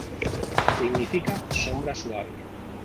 Significa sombra suave.